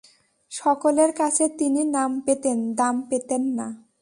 সকলের কাছে তিনি নাম পেতেন, দাম পেতেন না।